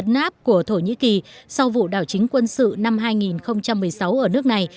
các biện pháp của thổ nhĩ kỳ sau vụ đảo chính quân sự năm hai nghìn một mươi sáu ở nước này